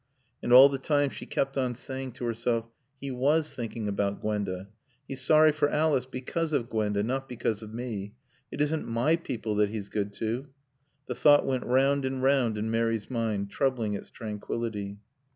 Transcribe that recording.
And all the time she kept on saying to herself, "He was thinking about Gwenda. He's sorry for Alice because of Gwenda, not because of me. It isn't my people that he's good to." The thought went round and round in Mary's mind, troubling its tranquillity.